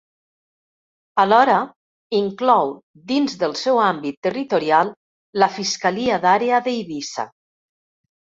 Alhora inclou dins del seu àmbit territorial la Fiscalia d'Àrea d'Eivissa.